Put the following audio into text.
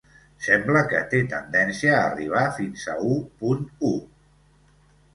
Sembla que té tendència a arribar fins a u punt u.